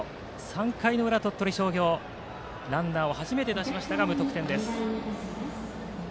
３回の裏、鳥取商業ランナーを初めて出しましたが無得点です。